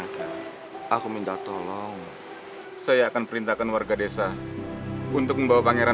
kami masih ingin belajar banyak dari pangeran